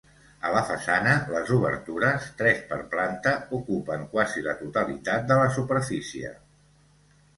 A la façana, les obertures, tres per planta, ocupen quasi la totalitat de la superfície.